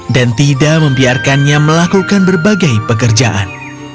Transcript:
dan tidak membiarkannya melakukan berbagai pekerjaan